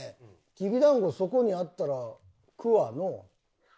きび団子そこにあったら食うわのう。